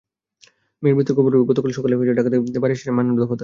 মেয়ের মৃত্যুর খবর পেয়ে গতকাল সকালে ঢাকা থেকে বাড়ি এসেছেন মান্নান দফাদার।